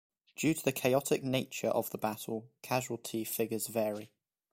Due to the chaotic nature of the battle, casualty figures vary.